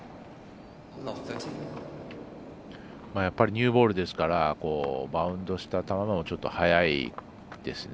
ニューボールですからバウンドした球ちょっと速いですね。